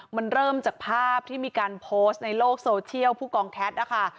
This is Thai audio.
มันเริ่มจากภาพที่มีการโพสต์ในโลกโซเชียลผู้กองแคทนะคะ